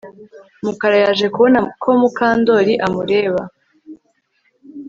Mukara yaje kubona ko Mukandoli amureba